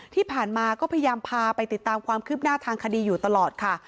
ที่ผ่านมาก็พยายามพาไปติดตามความคืบหน้าทางคดีอยู่ตลอดค่ะ